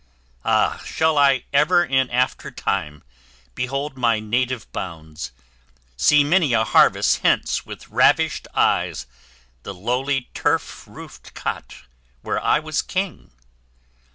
Ah! shall I ever in aftertime behold My native bounds see many a harvest hence With ravished eyes the lowly turf roofed cot Where I was king?